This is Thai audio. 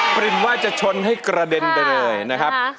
กลิ่นว่าจะชนให้กระเด็นไปเลยนะครับ